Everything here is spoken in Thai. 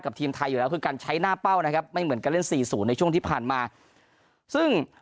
กับทีมไทยขึ้นกันใช้หน้าเป้านะครับไม่เหมือนการเล่น๔๐ในช่วงที่ผ่านมาซึ่ง